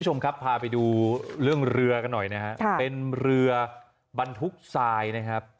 คุณผู้ชมครับพาไปดูเรื่องเรือกันหน่อยนะฮะเป็นเรือบรรทุกทรายนะครับ